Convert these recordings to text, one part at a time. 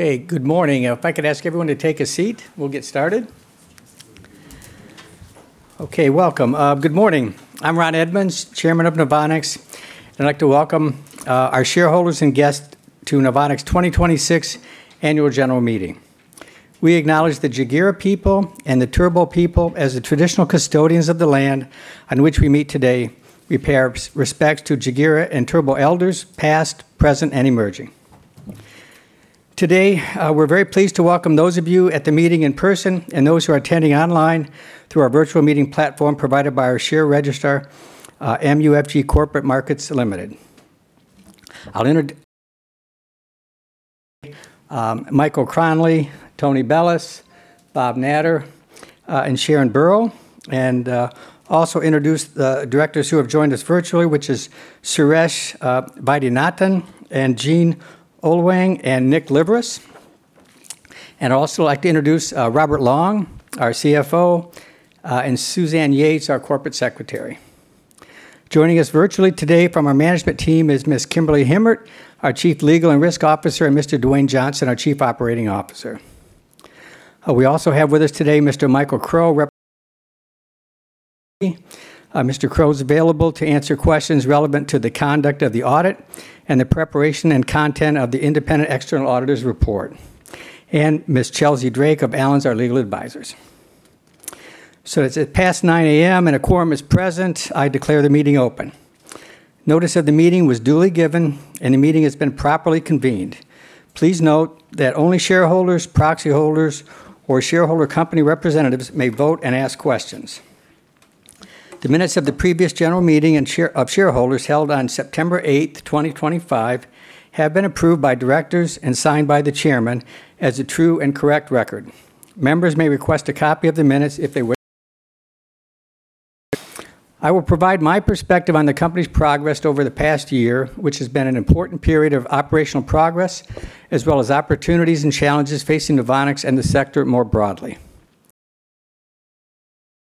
Good morning. If I could ask everyone to take a seat, we'll get started. Welcome. Good morning. I'm Ron Edmonds, Chairman of NOVONIX, and I'd like to welcome our shareholders and guests to NOVONIX 2026 Annual General Meeting. We acknowledge the Jagera people and the Turrbal people as the traditional custodians of the land on which we meet today. We pay our respects to Jagera and Turrbal elders, past, present, and emerging. Today, we're very pleased to welcome those of you at the meeting in person and those who are attending online through our virtual meeting platform provided by our share registrar, MUFG Corporate Markets Limited. I'll introduce Michael O'Kronley, Tony Bellas, Bob Natter, and Sharan Burrow, and also introduce the Directors who have joined us virtually, which is Suresh Vaidyanathan, and Jean Oelwang, and Nick Liveris. I'd also like to introduce Robert Long, our CFO, and Suzanne Yeates, our Corporate Secretary. Joining us virtually today from our management team is Ms. Kimberly Heimert, our Chief Legal and Risk Officer, and Mr. Dwayne Johnson, our Chief Operating Officer. We also have with us today Mr. Michael Crowe. Mr. Crowe is available to answer questions relevant to the conduct of the audit and the preparation and content of the independent external auditor's report, and Ms. Chelsey Drake of Allens, our legal advisors. It's past 9:00 A.M. and a quorum is present. I declare the meeting open. Notice of the Meeting was duly given and the meeting has been properly convened. Please note that only shareholders, proxy holders, or shareholder company representatives may vote and ask questions. The minutes of the previous general meeting of shareholders held on September 8th, 2025, have been approved by directors and signed by the Chairman as a true and correct record. Members may request a copy of the minutes if they wish. I will provide my perspective on the company's progress over the past year, which has been an important period of operational progress, as well as opportunities and challenges facing NOVONIX and the sector more broadly.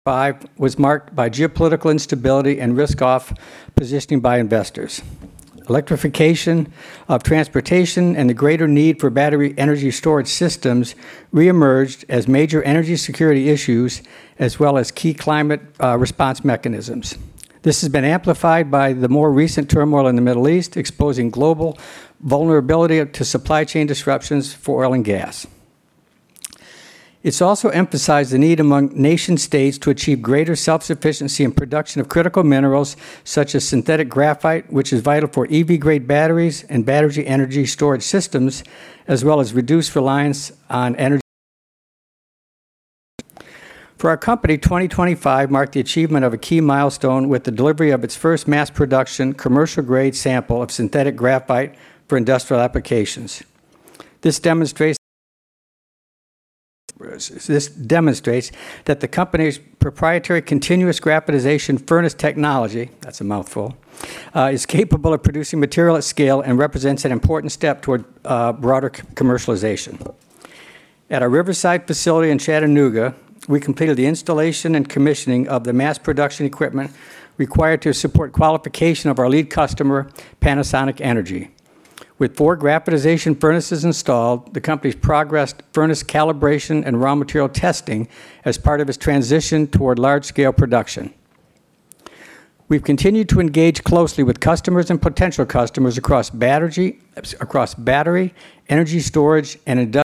2025 was marked by geopolitical instability and risk-off positioning by investors. Electrification of transportation and the greater need for battery energy storage systems re-emerged as major energy security issues, as well as key climate response mechanisms. This has been amplified by the more recent turmoil in the Middle East, exposing global vulnerability to supply chain disruptions for oil and gas. It's also emphasized the need among nation-states to achieve greater self-sufficiency in production of critical minerals such as synthetic graphite, which is vital for EV-grade batteries and battery energy storage systems, as well as reduced reliance on energy. For our company, 2025 marked the achievement of a key milestone with the delivery of its first mass production commercial-grade sample of synthetic graphite for industrial applications. This demonstrates that the company's proprietary continuous graphitization furnace technology, that's a mouthful, is capable of producing material at scale and represents an important step toward broader commercialization. At our Riverside facility in Chattanooga, we completed the installation and commissioning of the mass production equipment required to support qualification of our lead customer, Panasonic Energy. With four graphitization furnaces installed, the company's progressed furnace calibration and raw material testing as part of its transition toward large-scale production. We've continued to engage closely with customers and potential customers across battery, energy storage, and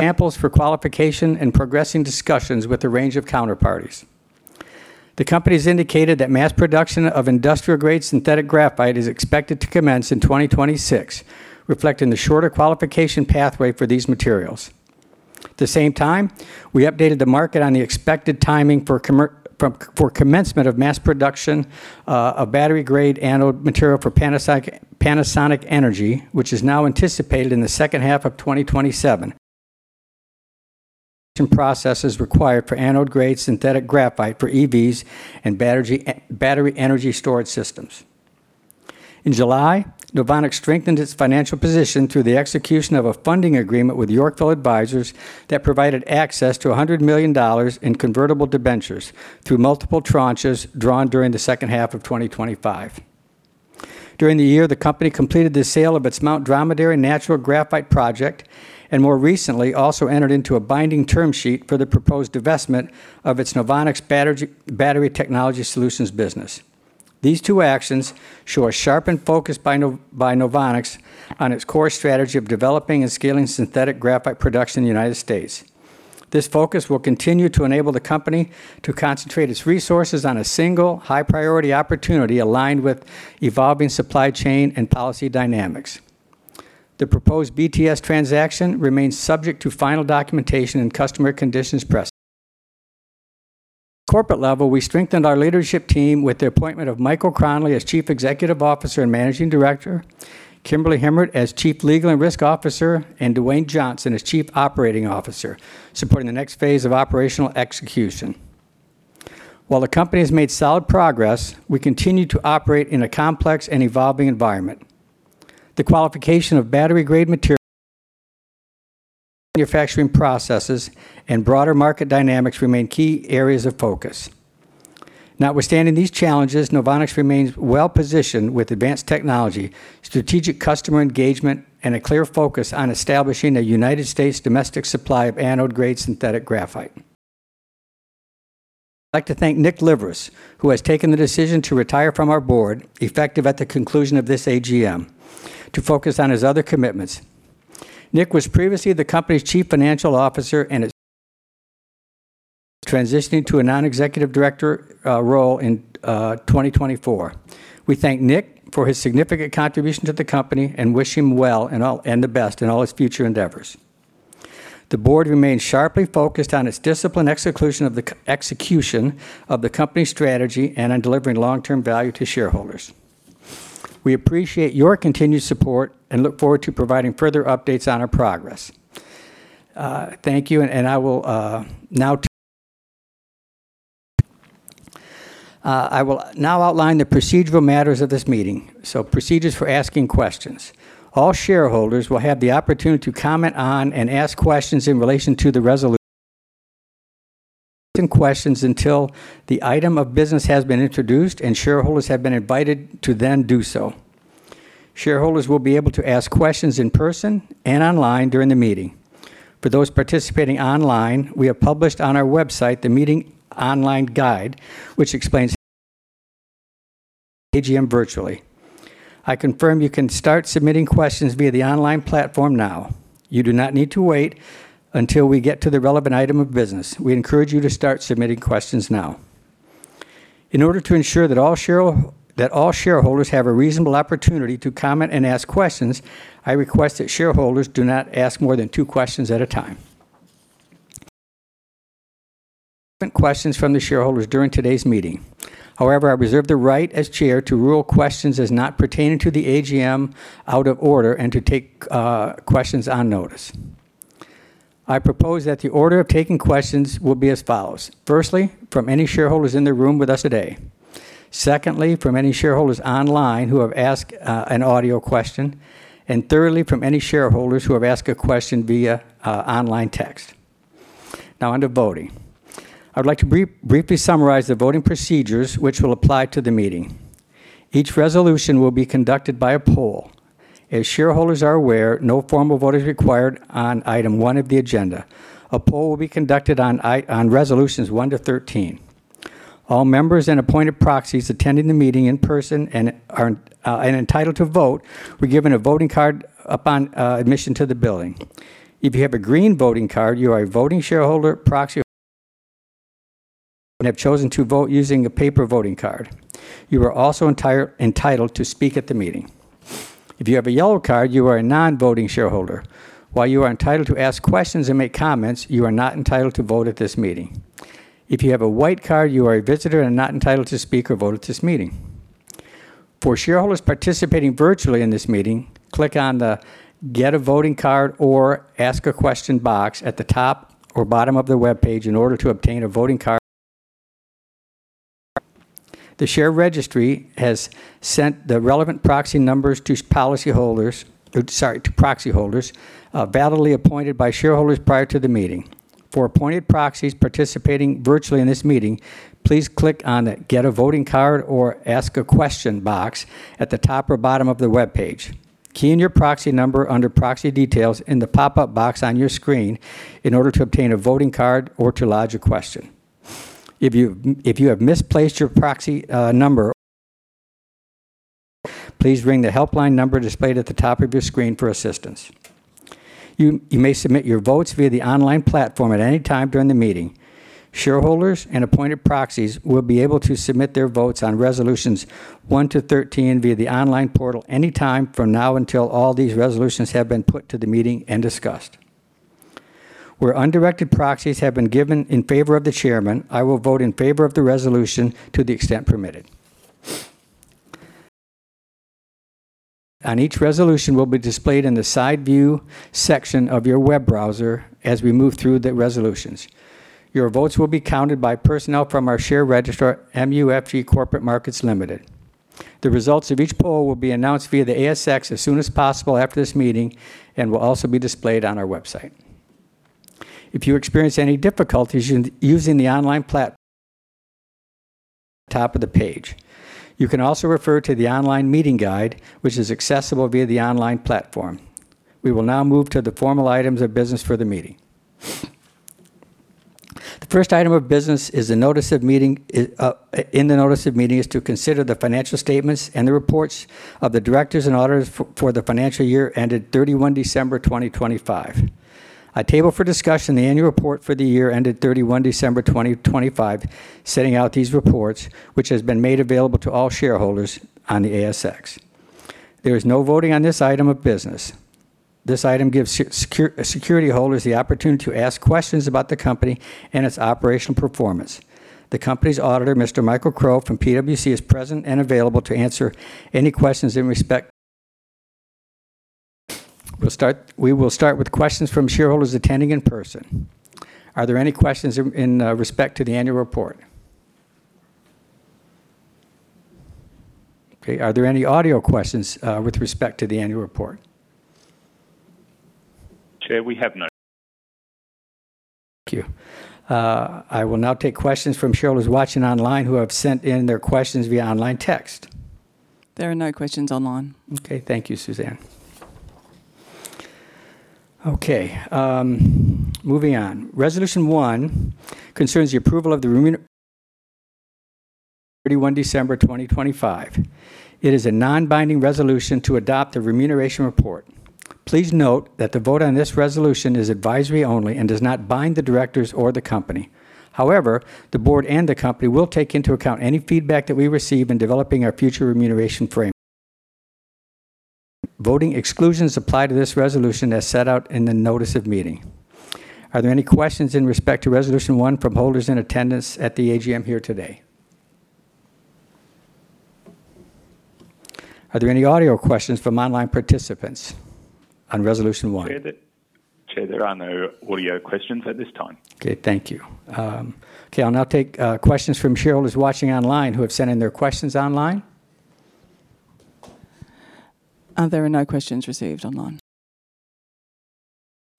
samples for qualification, and progressing discussions with a range of counterparties. The company's indicated that mass production of industrial-grade synthetic graphite is expected to commence in 2026, reflecting the shorter qualification pathway for these materials. At the same time, we updated the market on the expected timing for commencement of mass production of battery-grade anode material for Panasonic Energy, which is now anticipated in the second half of 2027. Processes required for anode-grade synthetic graphite for EVs and battery energy storage systems. In July, NOVONIX strengthened its financial position through the execution of a funding agreement with Yorkville Advisors that provided access to $100 million in convertible debentures through multiple tranches drawn during the second half of 2025. During the year, the company completed the sale of its Mt Dromedary natural graphite project, and more recently, also entered into a binding term sheet for the proposed divestment of its NOVONIX Battery Technology Solutions business. These two actions show a sharpened focus by NOVONIX on its core strategy of developing and scaling synthetic graphite production in the United States. This focus will continue to enable the company to concentrate its resources on a single high-priority opportunity aligned with evolving supply chain and policy dynamics. The proposed BTS transaction remains subject to final documentation and customer conditions. At the corporate level, we strengthened our leadership team with the appointment of Michael O'Kronley as Chief Executive Officer and Managing Director, Kimberly Heimert as Chief Legal and Risk Officer, and Dwayne Johnson as Chief Operating Officer, supporting the next phase of operational execution. While the company has made solid progress, we continue to operate in a complex and evolving environment. The qualification of battery-grade material, manufacturing processes, and broader market dynamics remain key areas of focus. Notwithstanding these challenges, NOVONIX remains well-positioned with advanced technology, strategic customer engagement, and a clear focus on establishing a United States domestic supply of anode-grade synthetic graphite. I'd like to thank Nick Liveris, who has taken the decision to retire from our Board, effective at the conclusion of this AGM, to focus on his other commitments. Nick was previously the company's Chief Financial Officer and is transitioning to a Non-Executive Director role in 2024. We thank Nick for his significant contribution to the company and wish him well and the best in all his future endeavors. The Board remains sharply focused on its disciplined execution of the company strategy and on delivering long-term value to shareholders. We appreciate your continued support and look forward to providing further updates on our progress. Thank you, and I will now outline the procedural matters of this meeting. Procedures for asking questions. All shareholders will have the opportunity to comment on and ask questions in relation to the resolution questions until the item of business has been introduced and shareholders have been invited to then do so. Shareholders will be able to ask questions in person and online during the meeting. For those participating online, we have published on our website the meeting online guide, which explains how to participate in the AGM virtually. I confirm you can start submitting questions via the online platform now. You do not need to wait until we get to the relevant item of business. We encourage you to start submitting questions now. In order to ensure that all shareholders have a reasonable opportunity to comment and ask questions, I request that shareholders do not ask more than two questions at a time, questions from the shareholders during today's meeting. However, I reserve the right as Chair to rule questions as not pertaining to the AGM out of order and to take questions on notice. I propose that the order of taking questions will be as follows. Firstly, from any shareholders in the room with us today, secondly, from any shareholders online who have asked an audio question, and thirdly, from any shareholders who have asked a question via online text. Now onto voting, I would like to briefly summarize the voting procedures which will apply to the meeting. Each resolution will be conducted by a poll. As shareholders are aware, no formal vote is required on Item one of the agenda. A poll will be conducted on Resolutions 1 to 13. All members and appointed proxies attending the meeting in person and entitled to vote were given a voting card upon admission to the building. If you have a green voting card, you are a voting shareholder, proxy, and have chosen to vote using a paper voting card. You are also entitled to speak at the meeting. If you have a yellow card, you are a non-voting shareholder. While you are entitled to ask questions and make comments, you are not entitled to vote at this meeting. If you have a white card, you are a visitor and not entitled to speak or vote at this meeting. For shareholders participating virtually in this meeting, click on the Get a Voting Card or Ask a Question box at the top or bottom of the webpage in order to obtain a voting card. The share registry has sent the relevant proxy numbers to proxy holders validly appointed by shareholders prior to the meeting. For appointed proxies participating virtually in this meeting, please click on the Get a Voting Card or Ask a Question box at the top or bottom of the webpage. Key in your proxy number under proxy details in the pop-up box on your screen in order to obtain a voting card or to lodge a question. If you have misplaced your proxy number, please ring the helpline number displayed at the top of your screen for assistance. You may submit your votes via the online platform at any time during the meeting. Shareholders and appointed proxies will be able to submit their votes on Resolutions 1 to 13 via the online portal anytime from now until all these resolutions have been put to the meeting and discussed. Where undirected proxies have been given in favor of the Chairman, I will vote in favor of the resolution to the extent permitted. On each resolution will be displayed in the side view section of your web browser as we move through the resolutions. Your votes will be counted by personnel from our share registrar, MUFG Corporate Markets Limited. The results of each poll will be announced via the ASX as soon as possible after this meeting and will also be displayed on our website. If you experience any difficulties using the online platform, top of the page. You can also refer to the online meeting guide, which is accessible via the online platform. We will now move to the formal items of business for the meeting. The first item of business in the notice of meeting is to consider the financial statements and the reports of the directors and auditors for the financial year ended 31 December 2025. I table for discussion the Annual Report for the year ended 31 December 2025, setting out these reports, which has been made available to all shareholders on the ASX. There is no voting on this item of business. This item gives security holders the opportunity to ask questions about the company and its operational performance. The company's auditor, Mr. Michael Crowe from PwC, is present and available to answer any questions in respect. We will start with questions from shareholders attending in person. Are there any questions in respect to the Annual Report? Okay. Are there any audio questions with respect to the annual report? Chair, we have no. Thank you. I will now take questions from shareholders watching online who have sent in their questions via online text. There are no questions online. Okay. Thank you, Suzanne. Okay. Moving on. Resolution 1 concerns the approval of the 31 December 2025. It is a non-binding resolution to adopt the Remuneration Report. Please note that the vote on this resolution is advisory only and does not bind the directors or the company. However, the Board and the company will take into account any feedback that we receive in developing our future remuneration frame. Voting exclusions apply to this resolution as set out in the Notice of Meeting. Are there any questions in respect to Resolution 1 holders in attendance at the AGM here today? Are there any audio questions from online participants on Resolution 1? Chair, there are no audio questions at this time. Okay. Thank you. Okay, I'll now take questions from shareholders watching online who have sent in their questions online. There are no questions received online.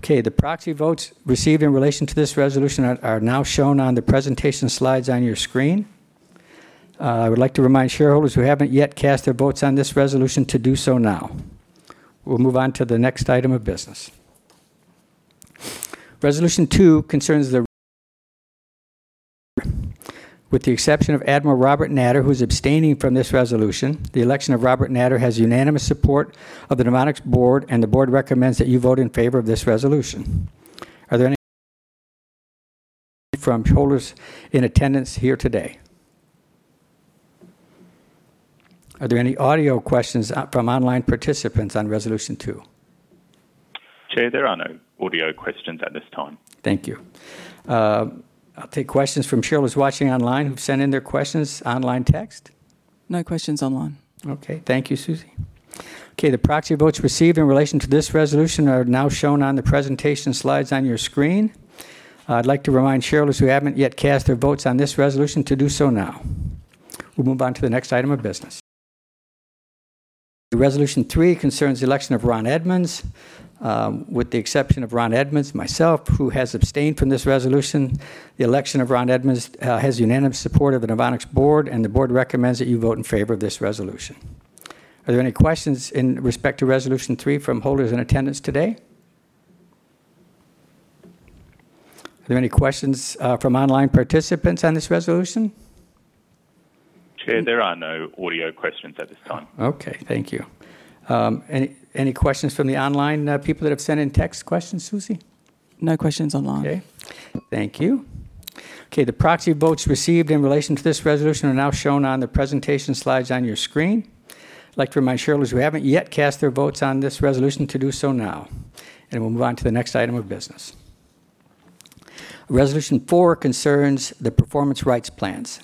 Okay. The proxy votes received in relation to this resolution are now shown on the presentation slides on your screen. I would like to remind shareholders who haven't yet cast their votes on this resolution to do so now. We'll move on to the next item of business. With the exception of Admiral Robert Natter, who's abstaining from this resolution, the election of Robert Natter has unanimous support of the NOVONIX Board, and the Board recommends that you vote in favor of this resolution. Are there any from shareholders in attendance here today? Are there any audio questions from online participants on Resolution 2? Chair, there are no audio questions at this time. Thank you. I'll take questions from shareholders watching online who've sent in their questions online text. No questions online. Okay. Thank you, Suzie. Okay. The proxy votes received in relation to this resolution are now shown on the presentation slides on your screen. I'd like to remind shareholders who haven't yet cast their votes on this resolution to do so now. We'll move on to the next item of business. Resolution 3 concerns the election of Ron Edmonds. With the exception of Ron Edmonds, myself, who has abstained from this resolution, the election of Ron Edmonds has unanimous support of the NOVONIX Board, and the Board recommends that you vote in favor of this resolution. Are there any questions in respect to Resolution 3 from holders in attendance today? Are there any questions from online participants on this resolution? Chair, there are no audio questions at this time. Okay. Thank you. Any questions from the online people that have sent in text questions, Suzie? No questions online. Okay. Thank you. Okay. The proxy votes received in relation to this resolution are now shown on the presentation slides on your screen. I'd like to remind shareholders who haven't yet cast their votes on this resolution to do so now. We'll move on to the next item of business. Resolution 4 concerns the Performance Rights Plans.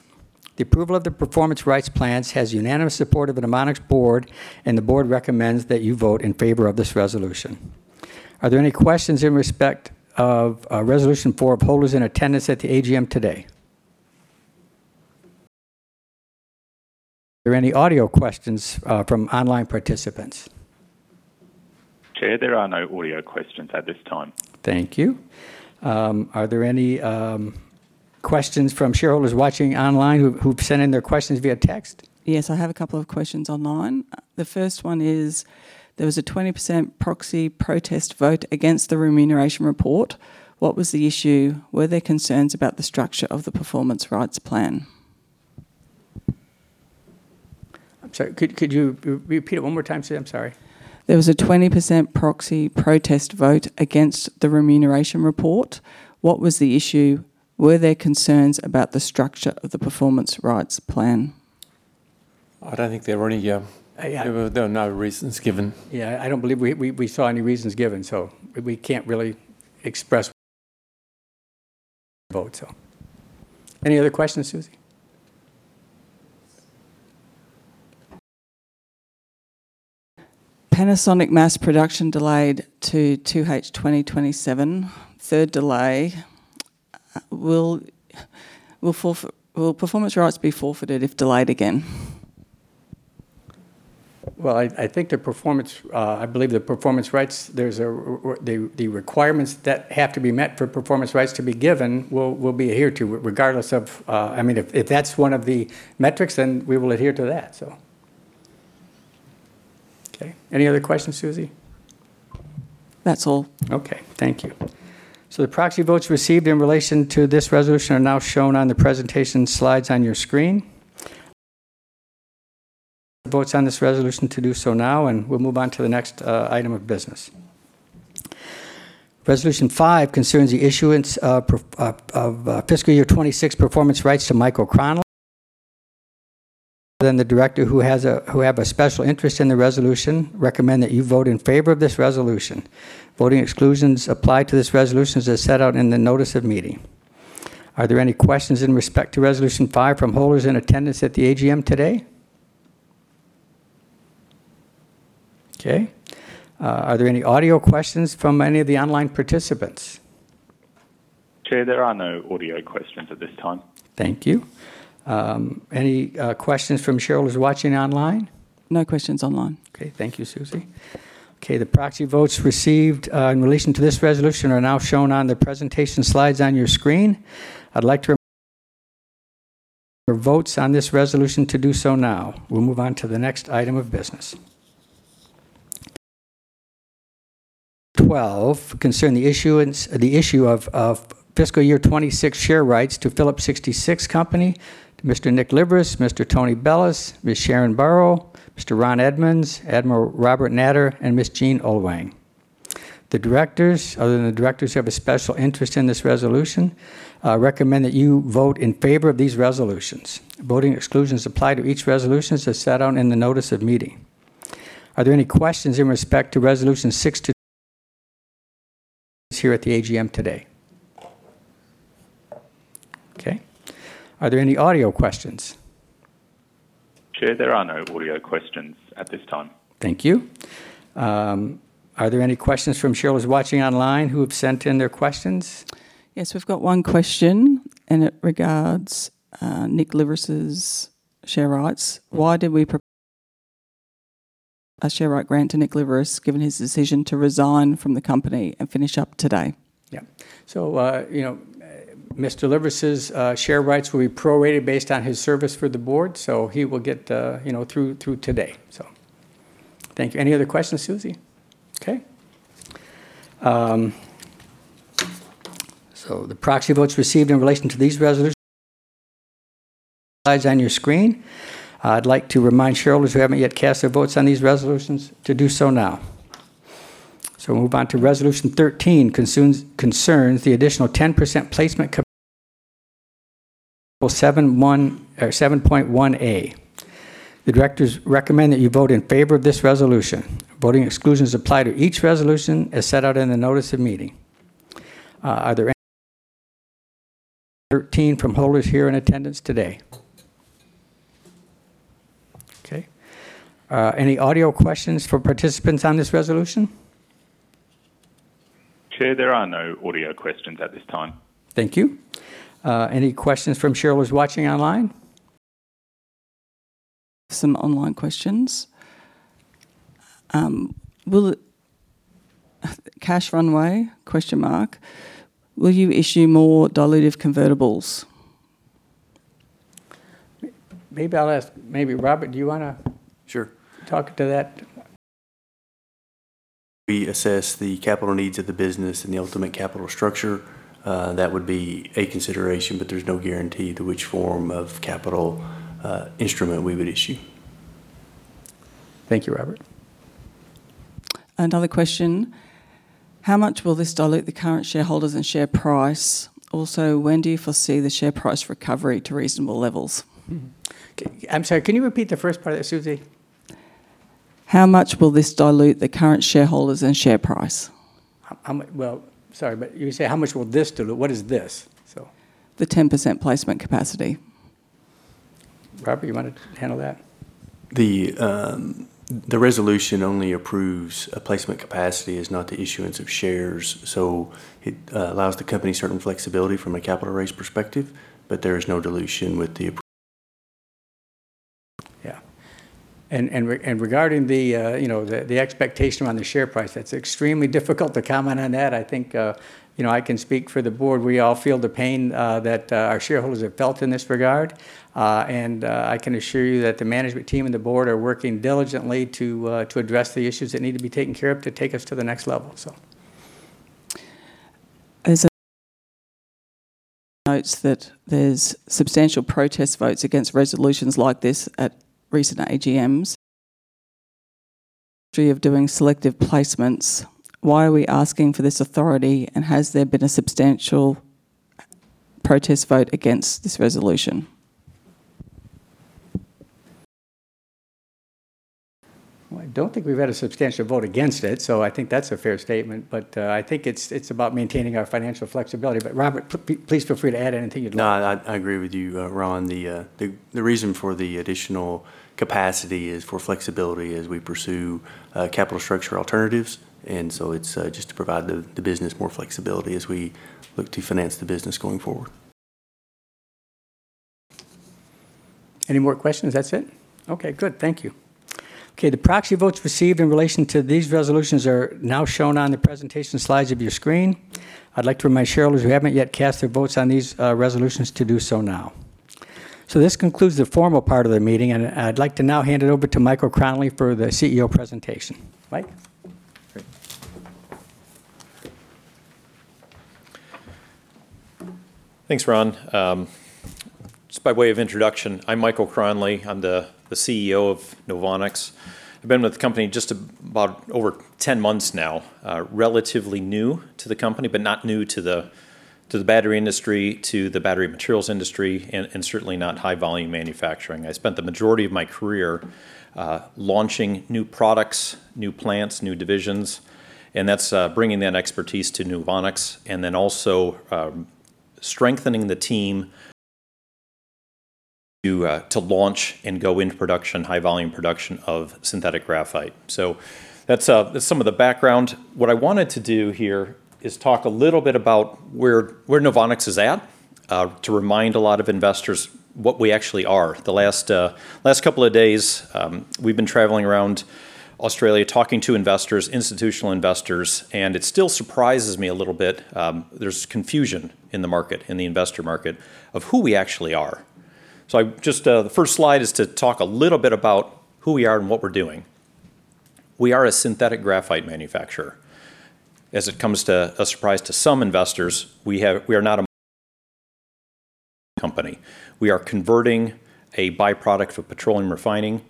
The approval of the Performance Rights Plans has unanimous support of the NOVONIX Board, and the Board recommends that you vote in favor of this resolution. Are there any questions in respect of Resolution 4 of holders in attendance at the AGM today? Are there any audio questions from online participants? Chair, there are no audio questions at this time. Thank you. Are there any questions from shareholders watching online who've sent in their questions via text? Yes, I have a couple of questions online. The first one is, there was a 20% proxy protest vote against the Remuneration Report. What was the issue? Were there concerns about the structure of the Performance Rights Plan? I'm sorry, could you repeat it one more time, Suzie? I'm sorry. There was a 20% proxy protest vote against the Remuneration Report. What was the issue? Were there concerns about the structure of the Performance Rights Plan? I don't think there were any. Yeah. There were no reasons given. Yeah, I don't believe we saw any reasons given, so we can't really express vote. Any other questions, Suzie? Panasonic mass production delayed to 2H 2027. Third delay. Will Performance Rights be forfeited if delayed again? Well, I believe the requirements that have to be met for Performance Rights to be given will be adhered to. If that's one of the metrics, then we will adhere to that. Okay. Any other questions, Suzie? That's all. Okay. Thank you. The proxy votes received in relation to this resolution are now shown on the presentation slides on your screen. Votes on this resolution to do so now, and we'll move on to the next item of business. Resolution 5 concerns the issuance of fiscal year 2026 Performance Rights to Michael O'Kronley. The Director who have a special interest in the resolution recommend that you vote in favor of this resolution. Voting exclusions apply to this resolution as set out in the Notice of Meeting. Are there any questions in respect to Resolution 5 from holders in attendance at the AGM today? Okay. Are there any audio questions from any of the online participants? Chair, there are no audio questions at this time. Thank you. Any questions from shareholders watching online? No questions online. Thank you, Suzie. The proxy votes received in relation to this resolution are now shown on the presentation slides on your screen. I'd like to remind shareholders on this resolution to do so now. We'll move on to the next item of business. 12 concern the issue of FY 2026 Share Rights to Phillips 66 Company, to Mr. Nick Liveris, Mr. Tony Bellas, Ms. Sharan Burrow, Mr. Ron Edmonds, Admiral Robert Natter, and Ms. Jean Oelwang. The directors, other than the directors who have a special interest in this resolution, recommend that you vote in favor of these resolutions. Voting exclusions apply to each resolution as set out in the notice of meeting. Are there any questions in respect to Resolutions 6 to 12 here at the AGM today? Are there any audio questions? Chair, there are no audio questions at this time. Thank you. Are there any questions from shareholders watching online who have sent in their questions? Yes, we've got one question, and it regards Nick Liveris' share rights. Why did we prepare a share right grant to Nick Liveris given his decision to resign from the company and finish up today? Yeah. Mr. Liveris's share rights will be prorated based on his service for the Board, so he will get through today. Thank you. Any other questions, Susie? Okay. The proxy votes received in relation to these resolutions on your screen. I'd like to remind shareholders who haven't yet cast their votes on these resolutions to do so now. We'll move on to Resolution 13, concerns the additional 10% placement 7.1A. The directors recommend that you vote in favor of this resolution. Voting exclusions apply to each resolution as set out in the Notice of Meeting. Are there any from holders here in attendance today? Okay. Any audio questions from participants on this Resolution? Chair, there are no audio questions at this time. Thank you. Any questions from shareholders watching online? Some online questions. What is the cash runway? Will you issue more dilutive convertibles? Maybe I'll ask. Maybe Robert, do you want to? Sure. Talk to that? We assess the capital needs of the business and the ultimate capital structure. That would be a consideration, but there's no guarantee to which form of capital instrument we would issue. Thank you, Robert. Another question, how much will this dilute the current shareholders and share price? Also, when do you foresee the share price recovery to reasonable levels? I'm sorry. Can you repeat the first part of that, Suzie? How much will this dilute the current shareholders and share price? Well, sorry, but you say, how much will this dilute? What is this? The 10% placement capacity. Robert, you want to handle that? The resolution only approves a placement capacity. It's not the issuance of shares. It allows the company certain flexibility from a capital raise perspective, but there is no dilution with the approval. Yeah. Regarding the expectation around the share price, that's extremely difficult to comment on that. I think I can speak for the Board. We all feel the pain that our shareholders have felt in this regard. I can assure you that the Management Team and the Board are working diligently to address the issues that need to be taken care of to take us to the next level. ASX notes that there's substantial protest votes against resolutions like this at recent AGMs, history of doing selective placements. Why are we asking for this authority, and has there been a substantial protest vote against this resolution? Well, I don't think we've had a substantial vote against it, so I think that's a fair statement. I think it's about maintaining our financial flexibility. Robert, please feel free to add anything you'd like. No, I agree with you, Ron. The reason for the additional capacity is for flexibility as we pursue capital structure alternatives. It's just to provide the business more flexibility as we look to finance the business going forward. Any more questions? That's it? Okay, good. Thank you. Okay, the proxy votes received in relation to these resolutions are now shown on the presentation slides of your screen. I'd like to remind shareholders who haven't yet cast their votes on these resolutions to do so now. This concludes the formal part of the meeting, and I'd like to now hand it over to Michael O'Kronley for the CEO presentation. Mike? Great. Thanks, Ron. Just by way of introduction, I'm Michael O'Kronley. I'm the CEO of NOVONIX. I've been with the company just about over 10 months now, relatively new to the company, but not new to the battery industry, to the battery materials industry, and certainly not high-volume manufacturing. I spent the majority of my career launching new products, new plants, new divisions, and that's bringing that expertise to NOVONIX, and then also strengthening the team to launch and go into high-volume production of synthetic graphite. That's some of the background. What I wanted to do here is talk a little bit about where NOVONIX is at to remind a lot of investors what we actually are. The last couple of days, we've been traveling around Australia talking to institutional investors, and it still surprises me a little bit. There's confusion in the investor market of who we actually are. The first slide is to talk a little bit about who we are and what we're doing. We are a synthetic graphite manufacturer. As it comes as a surprise to some investors, we are not a company. We are converting a byproduct of petroleum refining,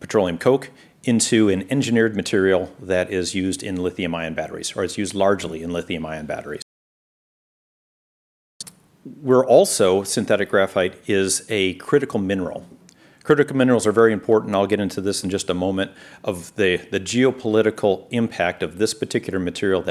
petroleum coke, into an engineered material that is used in lithium-ion batteries, or it's used largely in lithium-ion batteries. Synthetic graphite is a critical mineral. Critical minerals are very important, I'll get into this in just a moment, of the geopolitical impact of this particular material,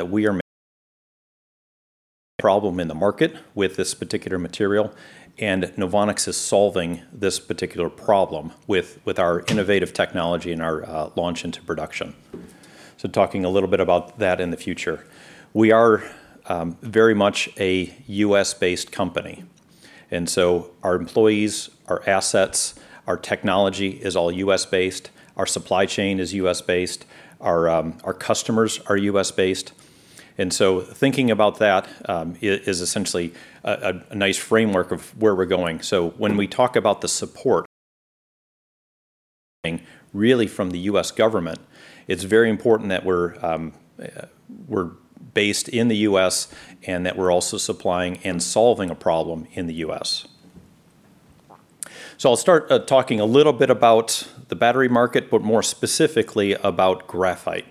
problem in the market with this particular material, and NOVONIX is solving this particular problem with our innovative technology and our launch into production. Talking a little bit about that in the future. We are very much a U.S.-based company, and so our employees, our assets, our technology is all U.S.-based. Our supply chain is U.S.-based. Our customers are U.S.-based. Thinking about that is essentially a nice framework of where we're going. When we talk about the support, really from the U.S. government, it's very important that we're based in the U.S. and that we're also supplying and solving a problem in the U.S. I'll start talking a little bit about the battery market, but more specifically about graphite.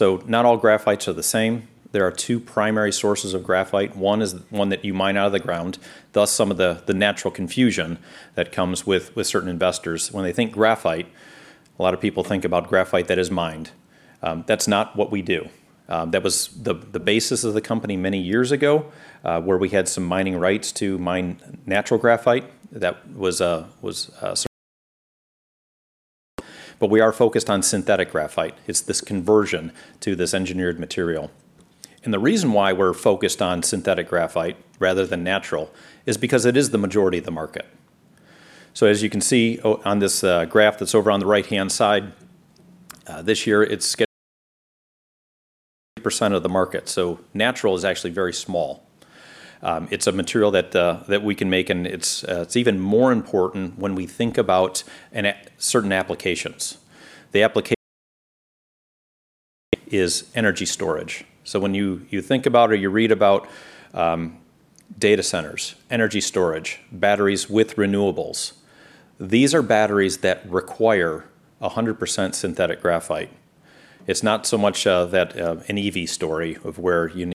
Not all graphites are the same. There are two primary sources of graphite. One is one that you mine out of the ground, thus some of the natural confusion that comes with certain investors. When they think graphite, a lot of people think about graphite that is mined. That's not what we do. That was the basis of the company many years ago, where we had some mining rights to mine natural graphite. We are focused on synthetic graphite. It's this conversion to this engineered material. The reason why we're focused on synthetic graphite rather than natural is because it is the majority of the market. As you can see on this graph that's over on the right-hand side, this year it's percent of the market. Natural is actually very small. It's a material that we can make, and it's even more important when we think about certain applications. The application is energy storage. When you think about or you read about data centers, energy storage, batteries with renewables, these are batteries that require 100% synthetic graphite. It's not so much an EV story of where you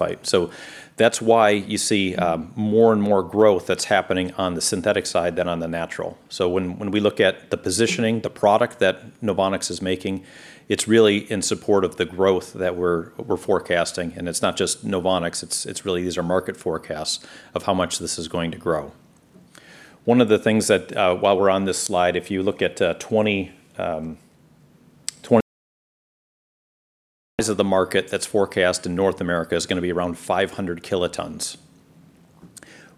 need graphite. That's why you see more and more growth that's happening on the synthetic side than on the natural. When we look at the positioning, the product that NOVONIX is making, it's really in support of the growth that we're forecasting, and it's not just NOVONIX, it's really these are market forecasts of how much this is going to grow. One of the things that, while we're on this slide, if you look at size of the market that's forecast in North America is going to be around 500 kilotons.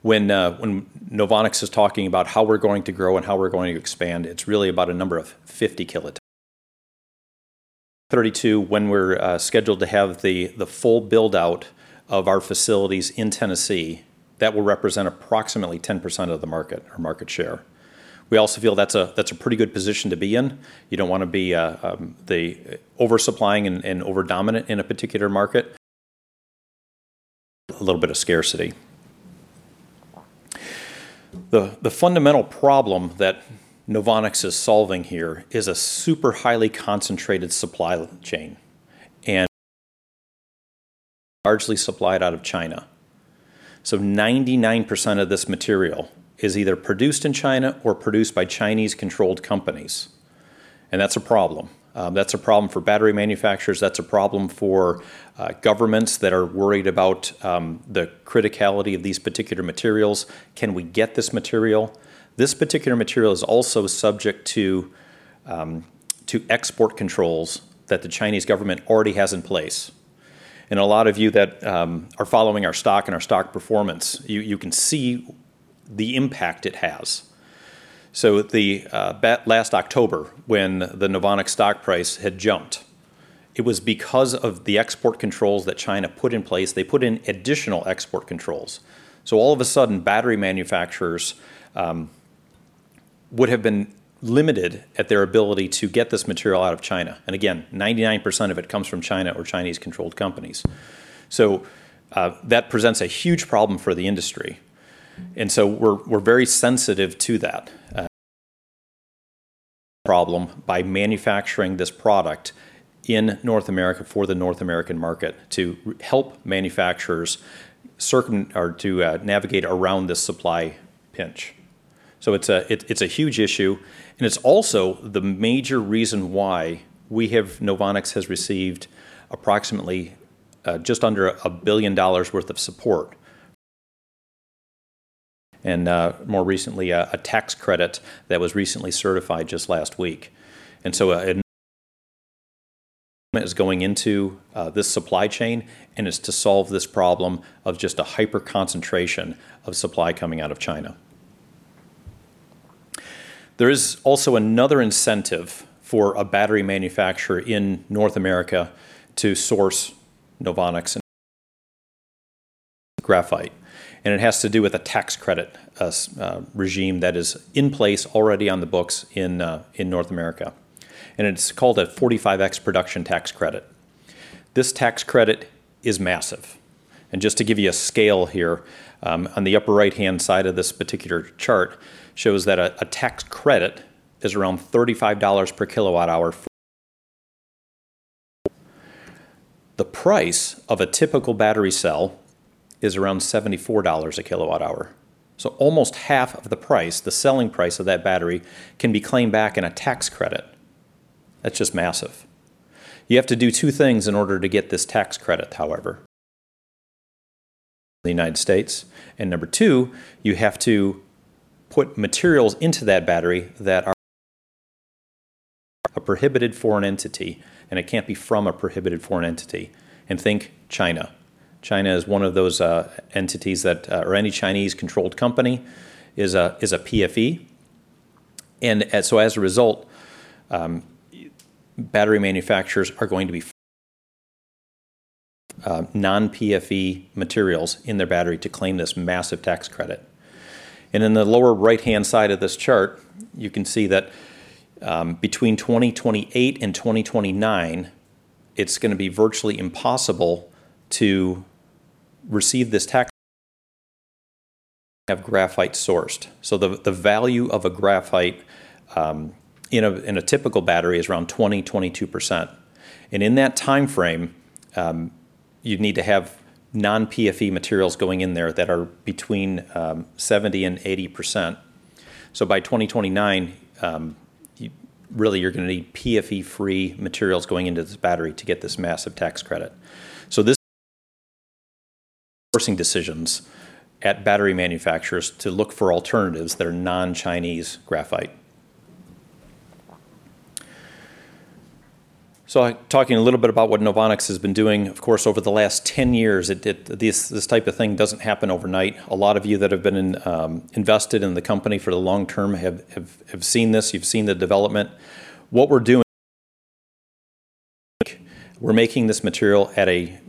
When NOVONIX is talking about how we're going to grow and how we're going to expand, it's really about a number of 50 kilotons. In 2032, when we're scheduled to have the full build-out of our facilities in Tennessee, that will represent approximately 10% of the market or market share. We also feel that's a pretty good position to be in. You don't want to be oversupplying and overdominant in a particular market, a little bit of scarcity. The fundamental problem that NOVONIX is solving here is a super highly concentrated supply chain, and largely supplied out of China. 99% of this material is either produced in China or produced by Chinese-controlled companies, and that's a problem. That's a problem for battery manufacturers. That's a problem for governments that are worried about the criticality of these particular materials. Can we get this material? This particular material is also subject to export controls that the Chinese government already has in place. A lot of you that are following our stock and our stock performance, you can see the impact it has. Last October, when the NOVONIX stock price had jumped, it was because of the export controls that China put in place. They put in additional export controls. All of a sudden, battery manufacturers would have been limited at their ability to get this material out of China. Again, 99% of it comes from China or Chinese-controlled companies. That presents a huge problem for the industry, and we're very sensitive to that problem by manufacturing this product in North America for the North American market to help manufacturers navigate around this supply pinch. It's a huge issue, and it's also the major reason why NOVONIX has received approximately just under $1 billion worth of support and, more recently, a tax credit that was recently certified just last week. A is going into this supply chain, and it's to solve this problem of just a hyper-concentration of supply coming out of China. There is also another incentive for a battery manufacturer in North America to source NOVONIX graphite, and it has to do with a tax credit regime that is in place already on the books in North America. It's called a 45X Production Tax Credit. This tax credit is massive. Just to give you a scale here, on the upper right-hand side of this particular chart, shows that a tax credit is around $35 per kilowatt hour. The price of a typical battery cell is around $74 a kilowatt hour. Almost half of the price, the selling price of that battery, can be claimed back in a tax credit. That's just massive. You have to do two things in order to get this tax credit, however. The United States, and number two, you have to put materials into that battery that are a prohibited foreign entity, and it can't be from a prohibited foreign entity. Think China. China is one of those entities or any Chinese-controlled company is a PFE. As a result, battery manufacturers are going to be non-PFE materials in their battery to claim this massive tax credit. In the lower right-hand side of this chart, you can see that between 2028 and 2029, it's going to be virtually impossible to receive this tax have graphite sourced. The value of a graphite in a typical battery is around 20%-22%. In that timeframe, you'd need to have non-PFE materials going in there that are between 70% and 80%. By 2029, really you're going to need PFE-free materials going into this battery to get this massive tax credit. This sourcing decisions at battery manufacturers to look for alternatives that are non-Chinese graphite. Talking a little bit about what NOVONIX has been doing, of course, over the last 10 years, this type of thing doesn't happen overnight. A lot of you that have been invested in the company for the long term have seen this. You've seen the development. We're making this material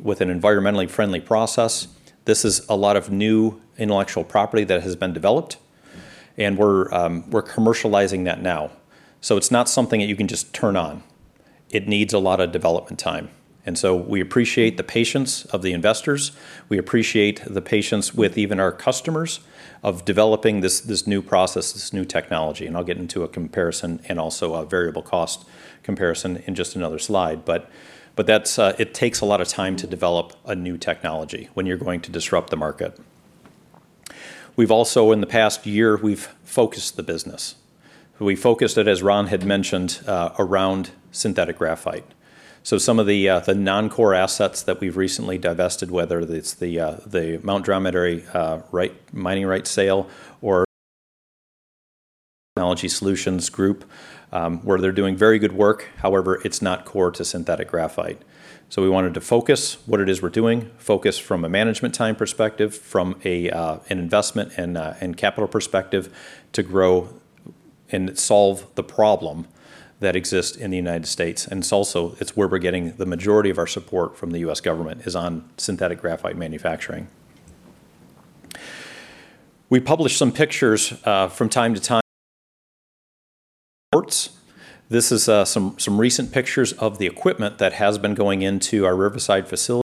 with an environmentally friendly process. This is a lot of new intellectual property that has been developed, and we're commercializing that now. It's not something that you can just turn on. It needs a lot of development time. We appreciate the patience of the investors. We appreciate the patience with even our customers of developing this new process, this new technology. I'll get into a comparison and also a variable cost comparison in just another slide. It takes a lot of time to develop a new technology when you're going to disrupt the market. We've also, in the past year, we've focused the business. We focused it, as Ron had mentioned, around synthetic graphite. Some of the non-core assets that we've recently divested, whether it's the Mt Dromedary mining rights sale or Battery Technology Solutions, where they're doing very good work, however, it's not core to synthetic graphite. We wanted to focus what it is we're doing, focus from a management time perspective, from an investment and capital perspective to grow and solve the problem that exists in the United States. It's where we're getting the majority of our support from the U.S. government is on synthetic graphite manufacturing. We publish some pictures from time to time reports. This is some recent pictures of the equipment that has been going into our Riverside facility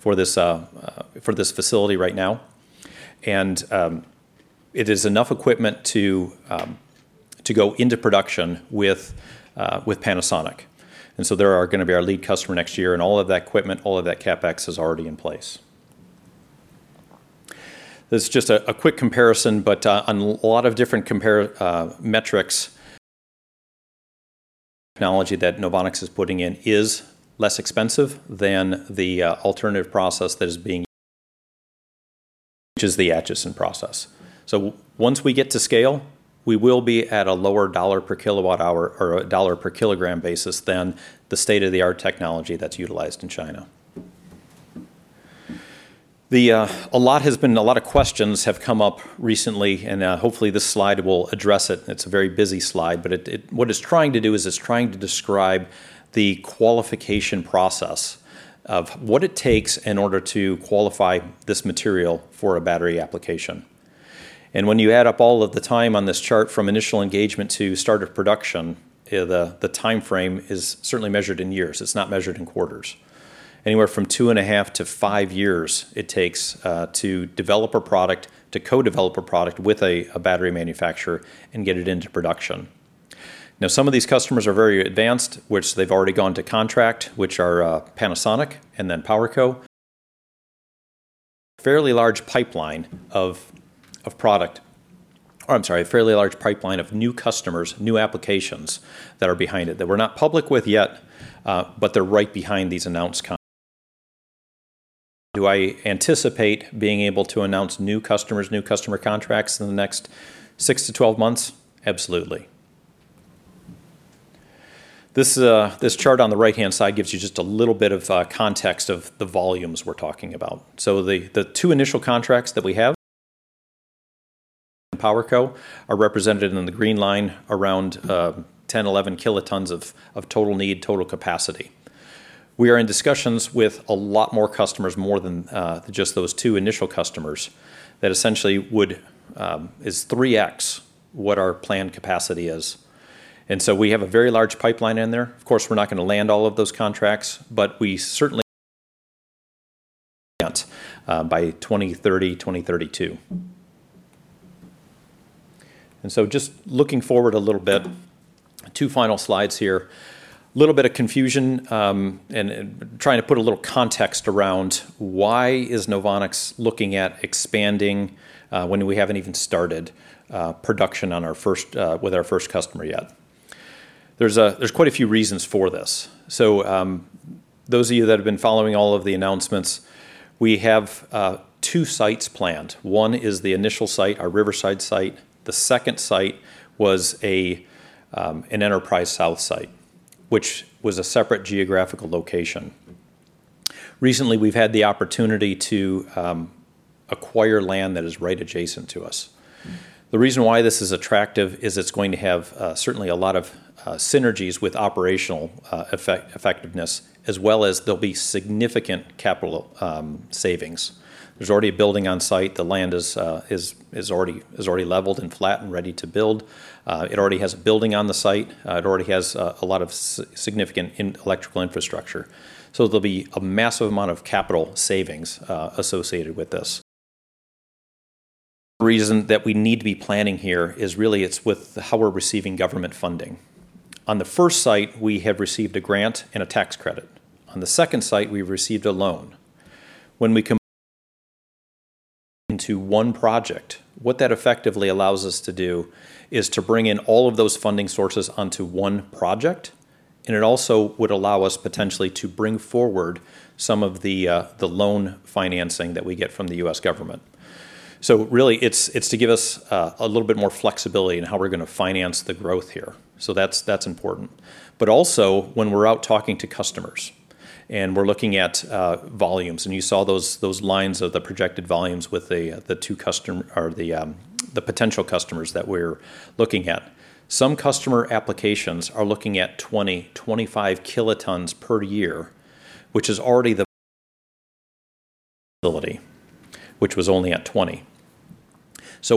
for this facility right now, and it is enough equipment to go into production with Panasonic. They are going to be our lead customer next year, and all of that equipment, all of that CapEx is already in place. This is just a quick comparison, but on a lot of different metrics technology that NOVONIX is putting in is less expensive than the alternative process which is the Acheson process. Once we get to scale, we will be at a lower dollar per kilowatt hour or a dollar per kilogram basis than the state-of-the-art technology that's utilized in China. A lot of questions have come up recently, and hopefully this slide will address it. It's a very busy slide, but what it's trying to do is it's trying to describe the qualification process of what it takes in order to qualify this material for a battery application. And when you add up all of the time on this chart from initial engagement to start of production, the timeframe is certainly measured in years. It's not measured in quarters. Anywhere from two and a half to five years it takes to develop a product, to co-develop a product with a battery manufacturer and get it into production. Now some of these customers are very advanced, which they've already gone to contract, which are Panasonic and then PowerCo. Fairly large pipeline of new customers, new applications that are behind it that we're not public with yet, but they're right behind these announced contracts. Do I anticipate being able to announce new customer contracts in the next six to 12 months? Absolutely. This chart on the right-hand side gives you just a little bit of context of the volumes we're talking about. The two initial contracts that we have, Panasonic and PowerCo, are represented in the green line around 10 kilotons-11 kilotons of total need, total capacity. We are in discussions with a lot more customers, more than just those two initial customers, that essentially is 3x what our planned capacity is. We have a very large pipeline in there. Of course, we're not going to land all of those contracts, but we certainly by 2030-2032. Just looking forward a little bit, two final slides here. Little bit of confusion, and trying to put a little context around why is NOVONIX looking at expanding, when we haven't even started production with our first customer yet. There's quite a few reasons for this. Those of you that have been following all of the announcements, we have two sites planned. One is the initial site, our Riverside site. The second site was an Enterprise South site, which was a separate geographical location. Recently, we've had the opportunity to acquire land that is right adjacent to us. The reason why this is attractive is it's going to have certainly a lot of synergies with operational effectiveness, as well as there'll be significant capital savings. There's already a building on site. The land is already leveled and flat and ready to build. It already has a building on the site. It already has a lot of significant electrical infrastructure. There'll be a massive amount of capital savings associated with this. The reason that we need to be planning here is really it's with how we're receiving government funding. On the first site, we have received a grant and a tax credit. On the second site, we've received a loan. When we combine those two into one project, what that effectively allows us to do is to bring in all of those funding sources onto one project, and it also would allow us potentially to bring forward some of the loan financing that we get from the U.S. government. Really it's to give us a little bit more flexibility in how we're going to finance the growth here. That's important. Also, when we're out talking to customers, and we're looking at volumes, and you saw those lines of the projected volumes with the potential customers that we're looking at. Some customer applications are looking at 20 kilotons-25 kilotons per year, which is already the ability, which was only at 20 kilotons.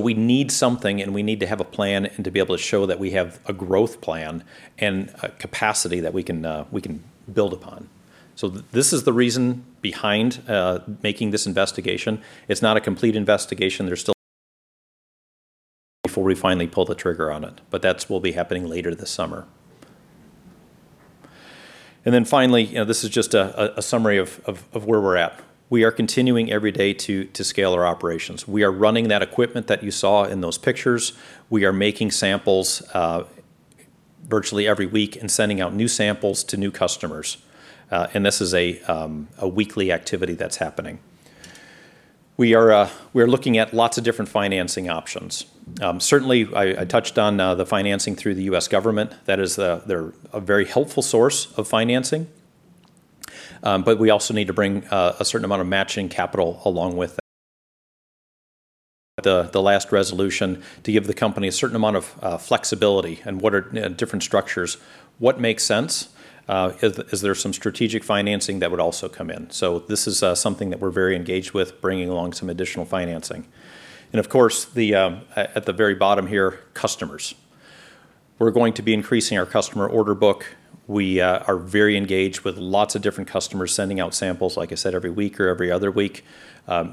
We need something, and we need to have a plan and to be able to show that we have a growth plan and a capacity that we can build upon. This is the reason behind making this investigation. It's not a complete investigation. There's still before we finally pull the trigger on it, but that will be happening later this summer. Finally, this is just a summary of where we're at. We are continuing every day to scale our operations. We are running that equipment that you saw in those pictures. We are making samples virtually every week and sending out new samples to new customers. This is a weekly activity that's happening. We are looking at lots of different financing options. Certainly, I touched on the financing through the U.S. government. They're a very helpful source of financing. We also need to bring a certain amount of matching capital along with that. The last resolution to give the company a certain amount of flexibility and what are different structures, what makes sense? Is there some strategic financing that would also come in? This is something that we're very engaged with, bringing along some additional financing. Of course, at the very bottom here, customers, we're going to be increasing our customer order book. We are very engaged with lots of different customers, sending out samples, like I said, every week or every other week.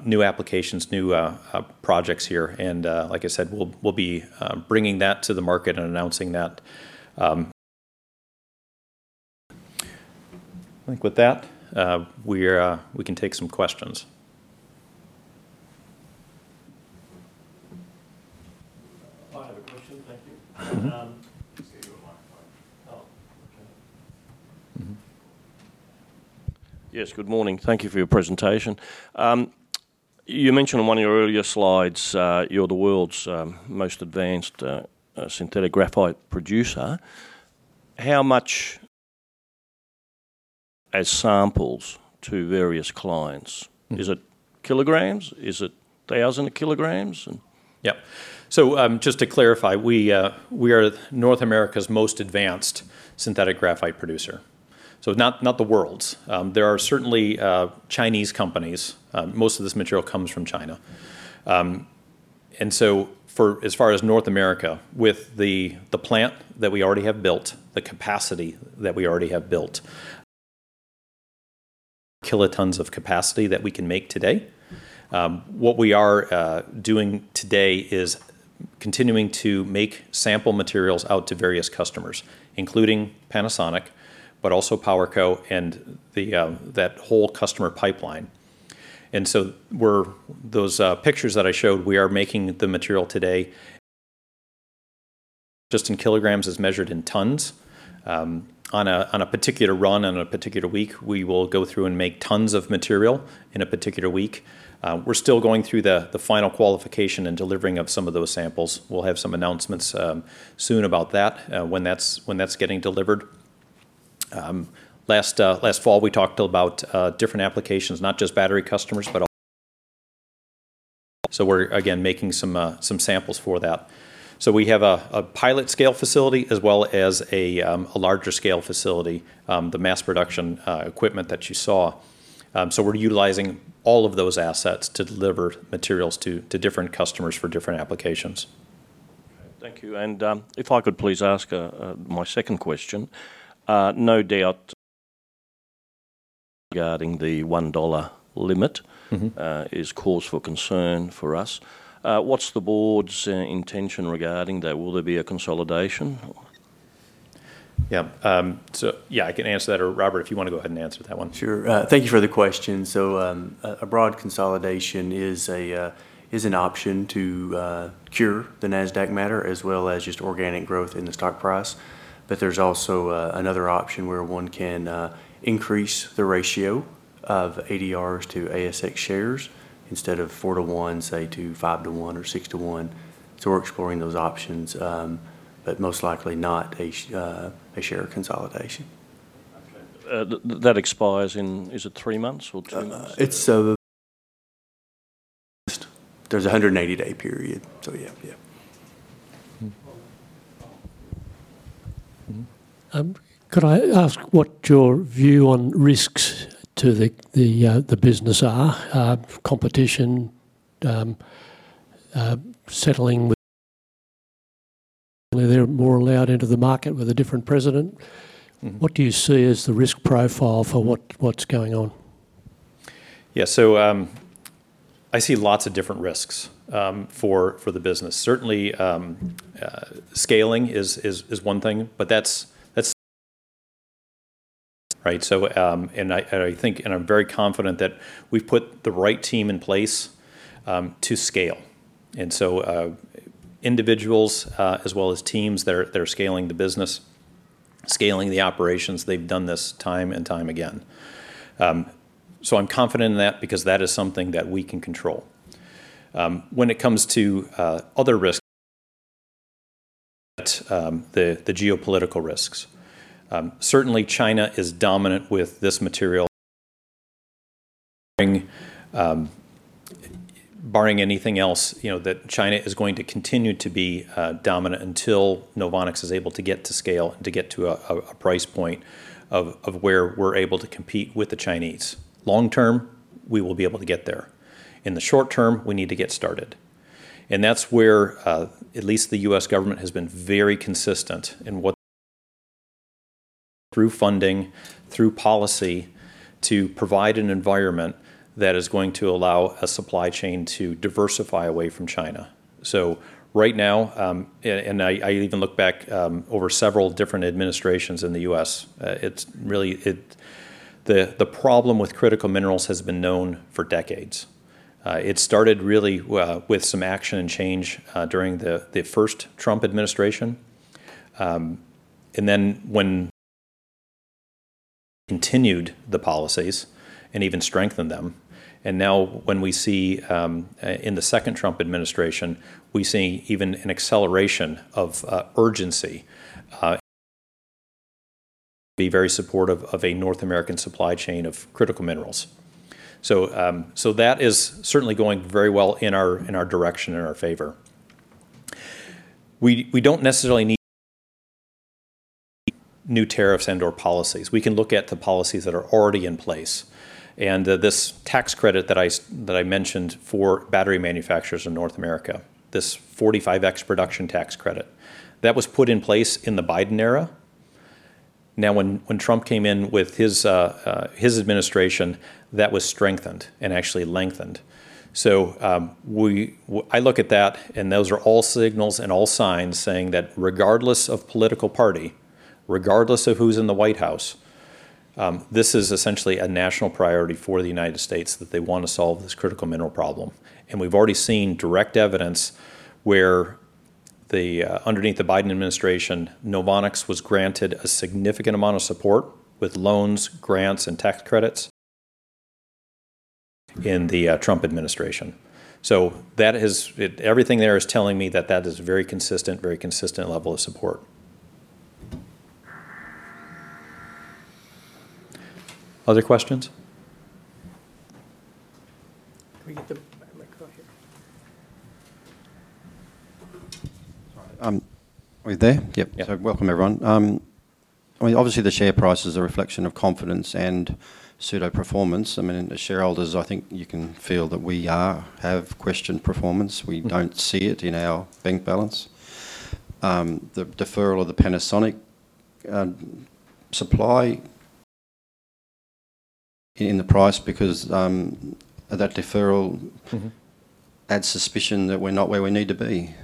New applications, new projects here, and, like I said, we'll be bringing that to the market and announcing that. I think with that, we can take some questions. I have a question. Thank you. Let me just give you a microphone. Oh, okay. Mm-hmm. Yes, good morning. Thank you for your presentation. You mentioned on one of your earlier slides, you're the world's most advanced synthetic graphite producer. How much as samples to various clients? Is it kilograms? Is it 1,000 kg? Yep, just to clarify, we are North America's most advanced synthetic graphite producer, not the world's. There are certainly Chinese companies. Most of this material comes from China. For as far as North America, with the plant that we already have built, the capacity that we already have built, kilotons of capacity that we can make today, what we are doing today is continuing to make sample materials out to various customers, including Panasonic, but also PowerCo and that whole customer pipeline. Those pictures that I showed, we are making the material today, just in kilograms as measured in tons. On a particular run in a particular week, we will go through and make tons of material in a particular week. We're still going through the final qualification and delivering of some of those samples. We'll have some announcements soon about that when that's getting delivered. Last fall, we talked about different applications, not just battery customers. We're again making some samples for that. We have a pilot-scale facility as well as a larger-scale facility, the mass-production equipment that you saw. We're utilizing all of those assets to deliver materials to different customers for different applications. Thank you. If I could please ask my second question, no doubt regarding the $1 limit. Mm-hmm. That is cause for concern for us. What's the Board's intention regarding that? Will there be a consolidation? Yeah, I can answer that, or Robert, if you want to go ahead and answer that one. Sure. Thank you for the question. A broad consolidation is an option to cure the Nasdaq matter as well as just organic growth in the stock price. There's also another option where one can increase the ratio of ADRs to ASX shares instead of 4/1, say to 5/1 or 6/1. We're exploring those options, but most likely not a share consolidation. Okay. That expires in, is it three months or two months? There's 180-day period. Yeah. Mm-hmm. Could I ask what your view on risks to the business are? Competition, especially if they're more allowed into the market with a different president. Mm-hmm. What do you see as the risk profile for what's going on? I see lots of different risks for the business. Certainly, scaling is one thing. That's, right? I'm very confident that we've put the right team in place to scale. Individuals as well as teams, they're scaling the business, scaling the operations. They've done this time and time again. I'm confident in that because that is something that we can control. When it comes to other risks, the geopolitical risks, certainly, China is dominant with this material, barring anything else, that China is going to continue to be dominant until NOVONIX is able to get to scale and to get to a price point of where we're able to compete with the Chinese. Long term, we will be able to get there. In the short term, we need to get started. That's where at least the U.S. government has been very consistent in, through funding, through policy, to provide an environment that is going to allow a supply chain to diversify away from China. Right now, and I even look back over several different administrations in the U.S., the problem with critical minerals has been known for decades. It started really with some action and change during the first Trump administration. When continued the policies and even strengthened them, and now when we see in the second Trump administration, we see even an acceleration of urgency be very supportive of a North American supply chain of critical minerals. That is certainly going very well in our direction, in our favor. We don't necessarily need new tariffs and/or policies. We can look at the policies that are already in place. This tax credit that I mentioned for battery manufacturers in North America, this 45X Production Tax Credit, that was put in place in the Biden era. Now, when Trump came in with his administration, that was strengthened and actually lengthened. I look at that and those are all signals and all signs saying that regardless of political party, regardless of who's in the White House, this is essentially a national priority for the United States that they want to solve this critical mineral problem. We've already seen direct evidence where underneath the Biden administration, NOVONIX was granted a significant amount of support with loans, grants, and tax credits in the Trump administration. Everything there is telling me that that is a very consistent level of support. Other questions? Can we get the microphone here? All right. Are we there? Yep. Welcome, everyone. Obviously, the share price is a reflection of confidence and pseudo-performance. The shareholders, I think you can feel that we have questioned performance. We don't see it in our bank balance, the deferral of the Panasonic supply in the price, because that deferral. Mm-hmm. Adds suspicion that we're not where we need to be.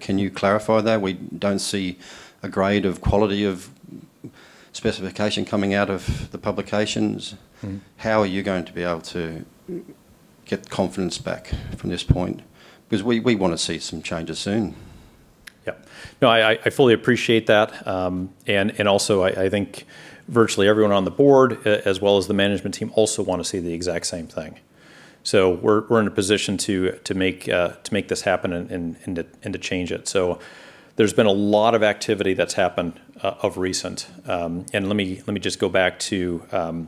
Can you clarify that? We don't see a grade of quality of specification coming out of the publications. Mm-hmm. How are you going to be able to get the confidence back from this point, because we want to see some changes soon? Yep. No, I fully appreciate that. Also, I think virtually everyone on the Board, as well as the Management Team, also want to see the exact same thing. We're in a position to make this happen and to change it. There's been a lot of activity that's happened of recent. Let me just go back to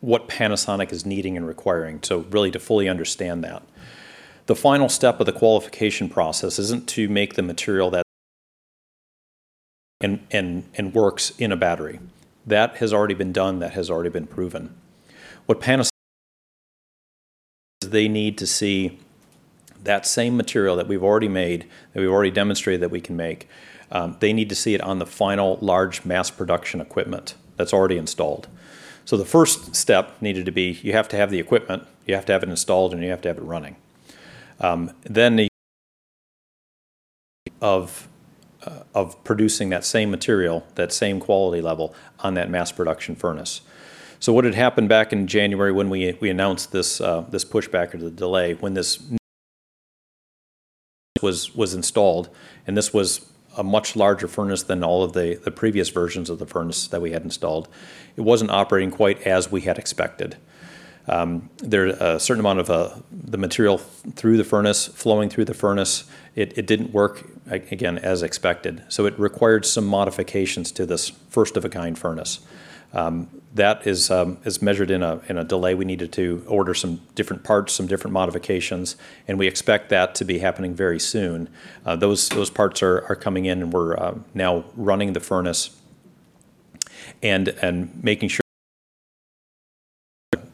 what Panasonic is needing and requiring, so really to fully understand that. The final step of the qualification process isn't to make the material that works in a battery. That has already been done. That has already been proven. They need to see that same material that we've already made, that we've already demonstrated that we can make. They need to see it on the final large mass production equipment that's already installed. The first step needed to be, you have to have the equipment, you have to have it installed, and you have to have it running. The of producing that same material, that same quality level, on that mass production furnace. What had happened back in January when we announced this pushback or the delay, when this was installed, and this was a much larger furnace than all of the previous versions of the furnace that we had installed, it wasn't operating quite as we had expected. A certain amount of the material flowing through the furnace, it didn't work, again, as expected. It required some modifications to this first-of-a-kind furnace. That has measured in a delay. We needed to order some different parts, some different modifications, and we expect that to be happening very soon. Those parts are coming in, and we're now running the furnace and making sure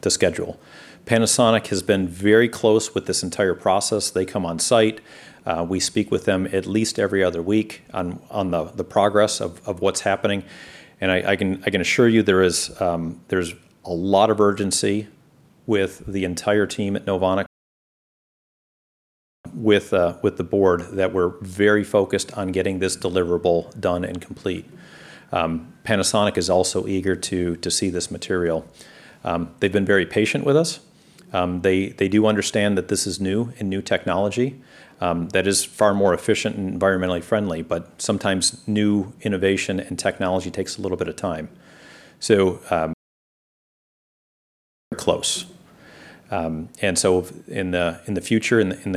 to schedule. Panasonic has been very close with this entire process. They come on site. We speak with them at least every other week on the progress of what's happening. I can assure you, there's a lot of urgency with the entire team at NOVONIX, with the Board, that we're very focused on getting this deliverable done and complete. Panasonic is also eager to see this material. They've been very patient with us. They do understand that this is new technology that is far more efficient and environmentally friendly, but sometimes new innovation and technology takes a little bit of time. Close. In the future, in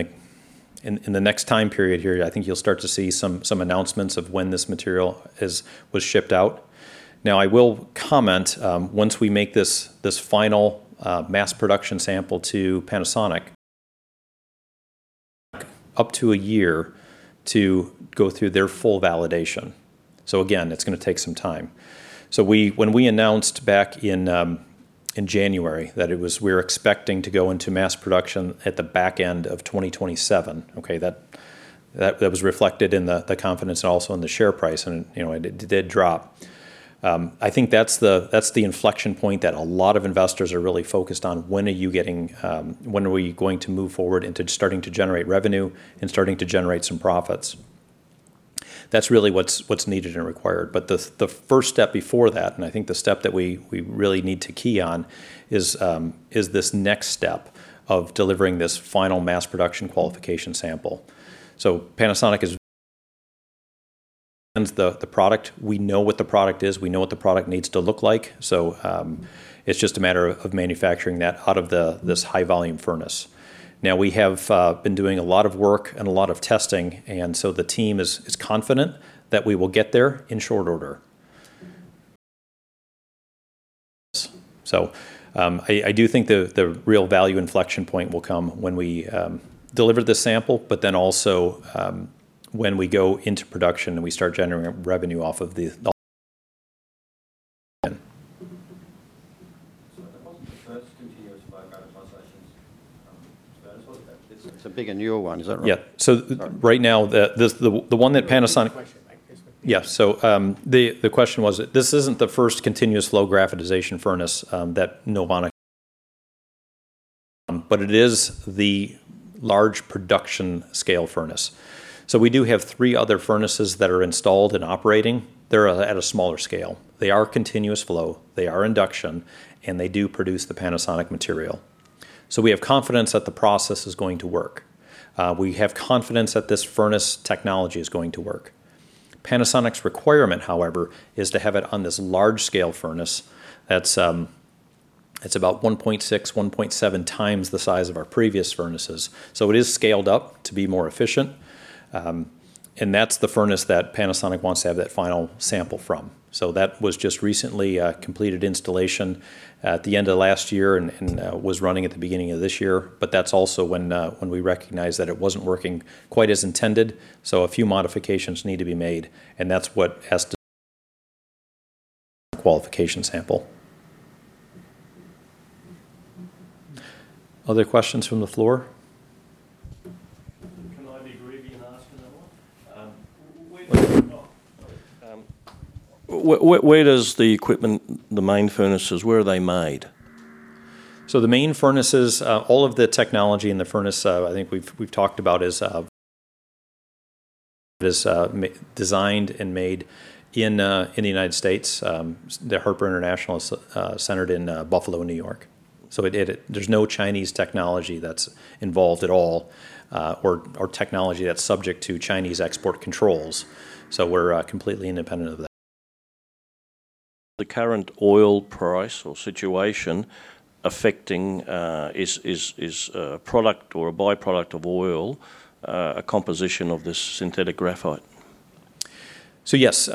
the next time period here, I think you'll start to see some announcements of when this material was shipped out. Now, I will comment, once we make this final mass production sample to Panasonic, up to a year to go through their full validation. Again, it's going to take some time. When we announced back in January that we're expecting to go into mass production at the back end of 2027, okay, that was reflected in the confidence and also in the share price, and it did drop. I think that's the inflection point that a lot of investors are really focused on. When are we going to move forward into starting to generate revenue and starting to generate some profits? That's really what's needed and required. The first step before that, and I think the step that we really need to key on is this next step of delivering this final mass production qualification sample. Panasonic is the product. We know what the product is. We know what the product needs to look like. It's just a matter of manufacturing that out of this high-volume furnace. Now, we have been doing a lot of work and a lot of testing, and so the team is confident that we will get there in short order. I do think the real value inflection point will come when we deliver the sample, but then also when we go into production and we start generating revenue. This isn't the first continuous flow graphitization furnace that Panasonic has. It's a bigger, newer one. Is that right? Yeah. Can you repeat the question? Yeah. The question was this isn't the first continuous-flow graphitization furnace that NOVONIX, but it is the large production-scale furnace. We do have three other furnaces that are installed and operating. They're at a smaller scale. They are continuous-flow, they are induction, and they do produce the Panasonic material. We have confidence that the process is going to work. We have confidence that this furnace technology is going to work. Panasonic's requirement, however, is to have it on this large-scale furnace that's about 1.6x-1.7x the size of our previous furnaces. It is scaled up to be more efficient. That's the furnace that Panasonic wants to have that final sample from. That was just recently a completed installation at the end of last year and was running at the beginning of this year. That's also when we recognized that it wasn't working quite as intended, so a few modifications need to be made, and that's what has qualification sample. Other questions from the floor? Can I be greedy and ask another one? Where does the equipment, the main furnaces, where are they made? The main furnaces, all of the technology in the furnace, I think we've talked about is designed and made in the United States. Harper International is centered in Buffalo, New York. There's no Chinese technology that's involved at all or technology that's subject to Chinese export controls. We're completely independent of that. The current oil price or situation, affecting is a product or a byproduct of oil, a composition of this synthetic graphite. Yes.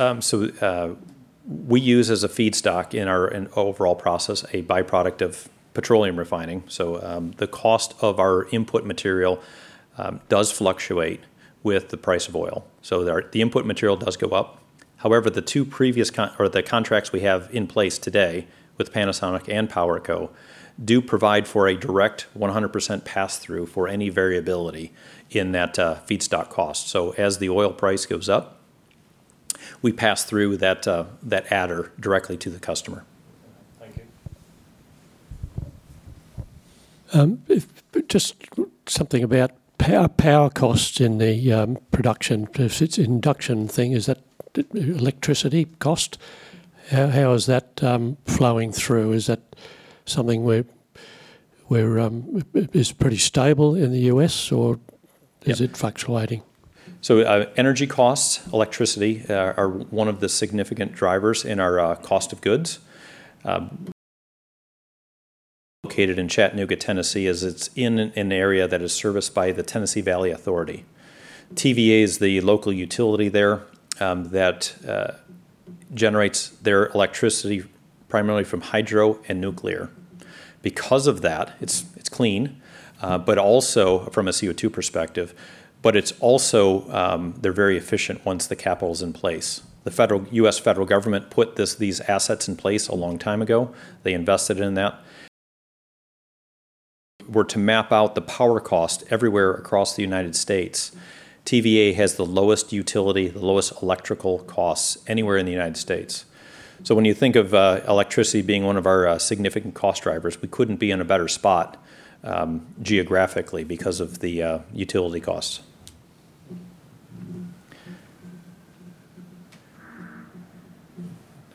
We use as a feedstock in our overall process a byproduct of petroleum refining. The cost of our input material does fluctuate with the price of oil. The input material does go up. However, the contracts we have in place today with Panasonic and PowerCo do provide for a direct 100% pass-through for any variability in that feedstock cost. As the oil price goes up, we pass through that adder directly to the customer. Thank you. Just something about power costs in the production, if it's induction thing, is that electricity cost? How is that flowing through? Is that something where it's pretty stable in the U.S.? Yep. Is it fluctuating? Energy costs, electricity, are one of the significant drivers in our cost of goods. We are located in Chattanooga, Tennessee, as it's in an area that is serviced by the Tennessee Valley Authority. TVA is the local utility there that generates their electricity primarily from hydro and nuclear. Because of that, it's clean from a CO2 perspective, but they're very efficient once the capital's in place. The U.S. federal government put these assets in place a long time ago. They invested in that. If we were to map out the power cost everywhere across the United States, TVA has the lowest electrical costs anywhere in the United States. When you think of electricity being one of our significant cost drivers, we couldn't be in a better spot geographically because of the utility costs.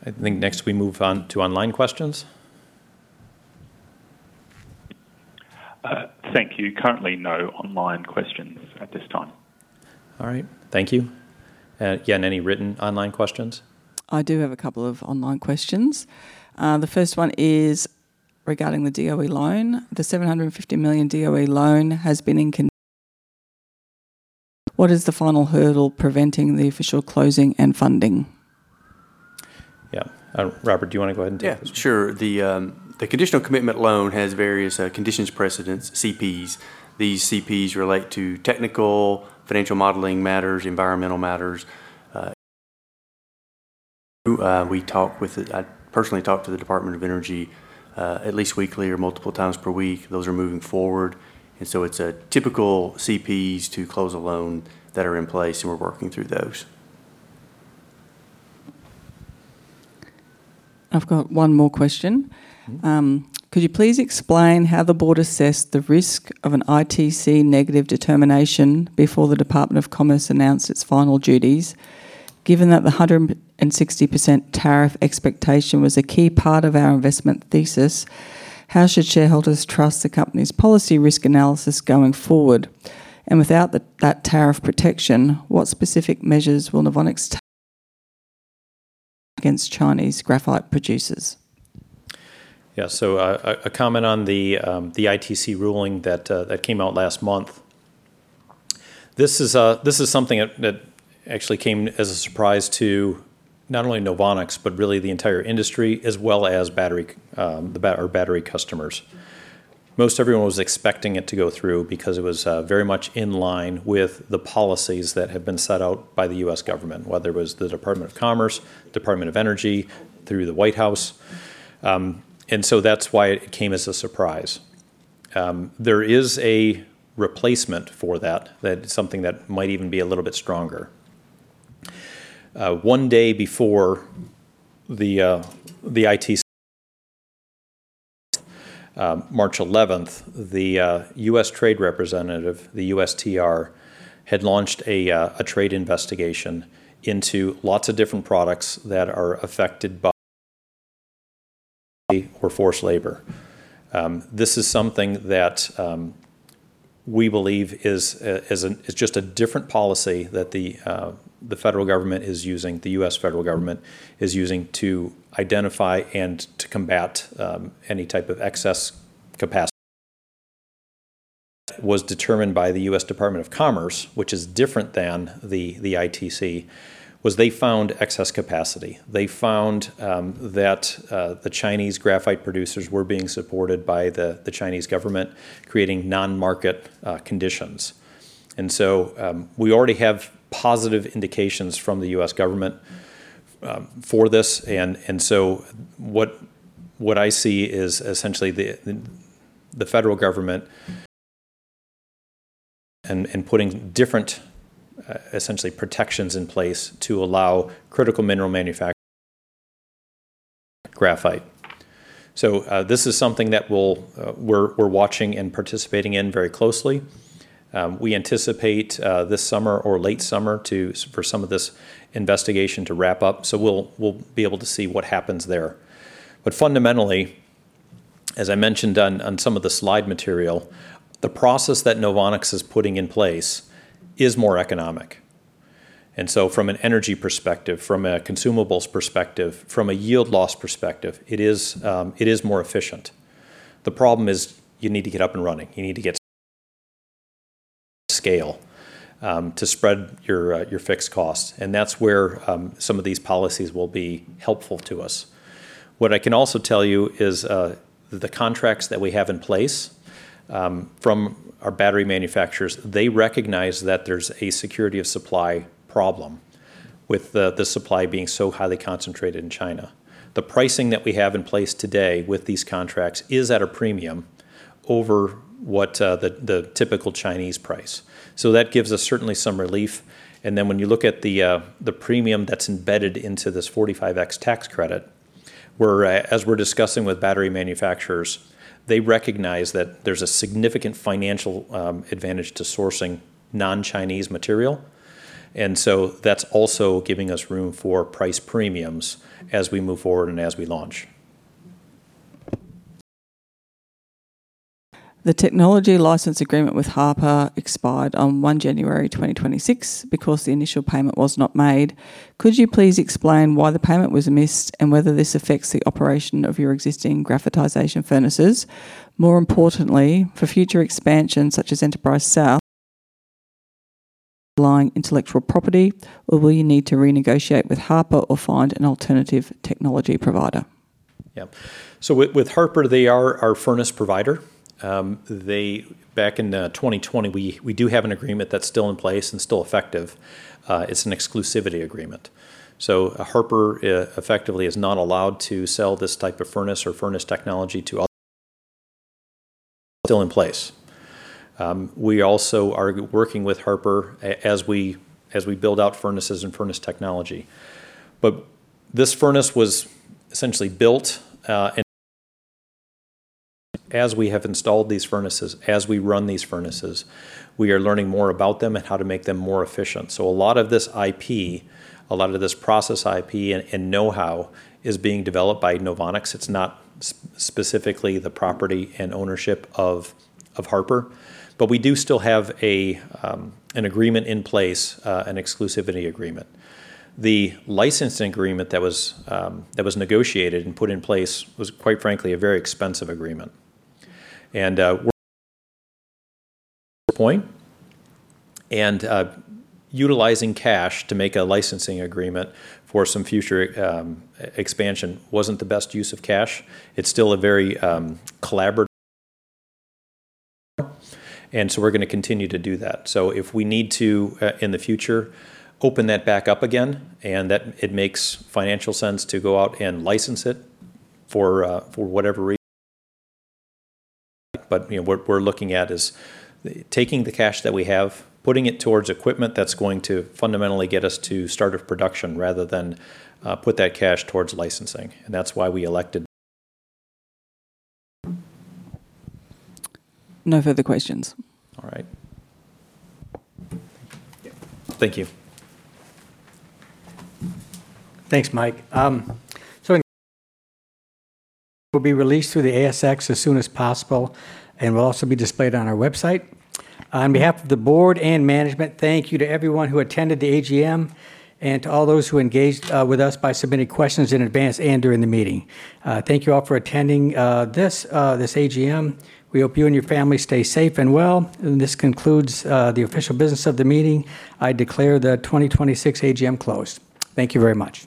I think next we move on to online questions. Thank you. Currently, no online questions at this time. All right. Thank you. Again, any written online questions? I do have a couple of online questions. The first one is regarding the DOE loan. The $750 million DOE loan has been in con- What is the final hurdle preventing the official closing and funding? Yeah, Robert, do you want to go ahead and take this one? Yeah, sure. The conditional commitment loan has various conditions precedent, CPs. These CPs relate to technical, financial modeling matters, environmental matters. We talk with the-- I personally talk to the Department of Energy at least weekly or multiple times per week. Those are moving forward, and so it's a typical CPs to close a loan that are in place, and we're working through those. I've got one more question. Mm-hmm. Could you please explain how the board assessed the risk of an ITC negative determination before the Department of Commerce announced its final duties? Given that the 160% tariff expectation was a key part of our investment thesis, how should shareholders trust the company's policy risk analysis going forward? Without that tariff protection, what specific measures will NOVONIX take against Chinese graphite producers? Yeah. A comment on the ITC ruling that came out last month. This is something that actually came as a surprise to not only NOVONIX, but really the entire industry as well as our battery customers. Most everyone was expecting it to go through because it was very much in line with the policies that had been set out by the U.S. government, whether it was the Department of Commerce, Department of Energy, through the White House. That's why it came as a surprise. There is a replacement for that, something that might even be a little bit stronger. One day before the ITC, March 11th, the U.S. Trade Representative, the USTR, had launched a trade investigation into lots of different products that are affected by or forced labor. This is something that we believe is just a different policy that the U.S. federal government is using to identify and to combat any type of excess capacity. What was determined by the U.S. Department of Commerce, which is different than the ITC, was they found excess capacity. They found that the Chinese graphite producers were being supported by the Chinese government, creating non-market conditions. We already have positive indications from the U.S. government for this. What I see is essentially the federal government and putting different, essentially, protections in place to allow critical mineral manufacturing, graphite. This is something that we're watching and participating in very closely. We anticipate this summer or late summer for some of this investigation to wrap up. We'll be able to see what happens there. Fundamentally, as I mentioned on some of the slide material, the process that NOVONIX is putting in place is more economic. From an energy perspective, from a consumables perspective, from a yield loss perspective, it is more efficient. The problem is you need to get up and running. You need to get to scale to spread your fixed costs. That's where some of these policies will be helpful to us. What I can also tell you is the contracts that we have in place from our battery manufacturers, they recognize that there's a security of supply problem with the supply being so highly concentrated in China. The pricing that we have in place today with these contracts is at a premium over what the typical Chinese price. That gives us certainly some relief. When you look at the premium that's embedded into this 45X Tax Credit, as we're discussing with battery manufacturers, they recognize that there's a significant financial advantage to sourcing non-Chinese material. That's also giving us room for price premiums as we move forward and as we launch. The technology license agreement with Harper expired on 1 January 2026 because the initial payment was not made. Could you please explain why the payment was missed and whether this affects the operation of your existing graphitization furnaces? More importantly, for future expansion, such as Enterprise South, underlying intellectual property, or will you need to renegotiate with Harper or find an alternative technology provider? Yeah. With Harper, they are our furnace provider. Back in 2020, we do have an agreement that's still in place and still effective. It's an exclusivity agreement. Harper effectively is not allowed to sell this type of furnace or furnace technology. Still in place, we also are working with Harper as we build out furnaces and furnace technology. As we have installed these furnaces, as we run these furnaces, we are learning more about them and how to make them more efficient. A lot of this IP, a lot of this process IP and know-how is being developed by NOVONIX. It's not specifically the property and ownership of Harper. We do still have an agreement in place, an exclusivity agreement. The license agreement that was negotiated and put in place was, quite frankly, a very expensive agreement. Point. Utilizing cash to make a licensing agreement for some future expansion wasn't the best use of cash. It's still a very collaborative, and we're going to continue to do that. If we need to, in the future, open that back up again and it makes financial sense to go out and license it for whatever reason, what we're looking at is taking the cash that we have, putting it towards equipment that's going to fundamentally get us to start of production rather than put that cash towards licensing. That's why we elected. No further questions. All right. Thank you. Thanks, Mike. In will be released through the ASX as soon as possible and will also be displayed on our website. On behalf of the Board and Management, thank you to everyone who attended the AGM and to all those who engaged with us by submitting questions in advance and during the meeting. Thank you all for attending this AGM. We hope you and your family stay safe and well. This concludes the official business of the meeting. I declare the 2026 AGM closed. Thank you very much.